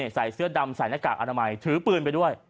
ใส่เสื้อดำใส่หน้ากากอนามัยถือปืนไปด้วย